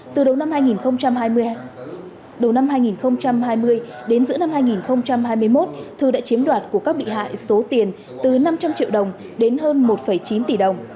từ đầu năm hai nghìn hai mươi đến giữa năm hai nghìn hai mươi một thư đã chiếm đoạt của các bị hại số tiền từ năm trăm linh triệu đồng đến hơn một chín tỷ đồng